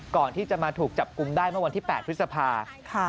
ก่อนที่จะมาถูกจับกลุ่มได้เมื่อวันที่๘พฤษภา